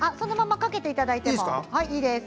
そのままかけていただいていいです。